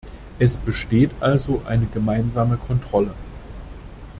Es besteht also eine gemeinsame Kontrolle.